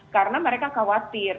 karena mereka khawatir